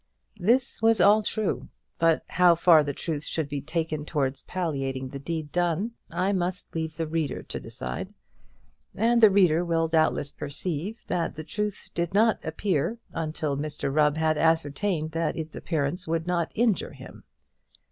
This was all true, but how far the truth should be taken towards palliating the deed done, I must leave the reader to decide; and the reader will doubtless perceive that the truth did not appear until Mr Rubb had ascertained that its appearance would not injure him.